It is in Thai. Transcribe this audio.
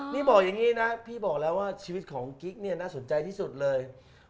นี่บอกอย่างนี้นะพี่บอกแล้วว่าชีวิตของกิ๊กเนี่ยน่าสนใจที่สุดเลย